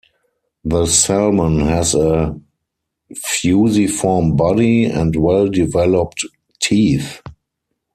The salmon has a fusiform body, and well-developed teeth.